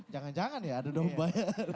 jangan jangan ya ada dong bayar